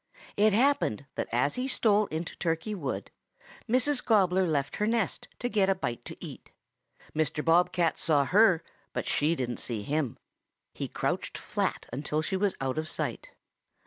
"It happened that as he stole into Turkey Wood, Mrs. Gobbler left her nest to get a bite to eat. Mr. Bob cat saw her, but she didn't see him. He crouched flat until she was out of sight.